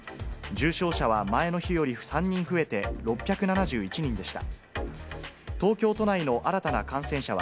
重症者は、前の日より３人増えて、６７１人でした。